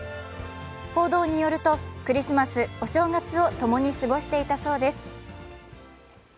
報道によるとクリスマス、お正月を共に過ごしていたそうです。